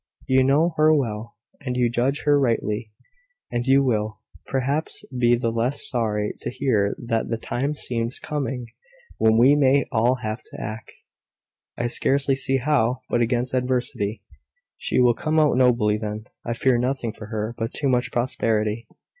You know her well, and you judge her rightly: and you will, perhaps, be the less sorry to hear that the time seems coming when we may all have to act I scarcely see how but against adversity." "She will come out nobly then. I fear nothing for her but too much prosperity."